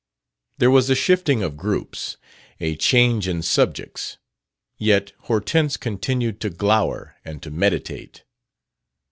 There was a shifting of groups, a change in subjects. Yet Hortense continued to glower and to meditate.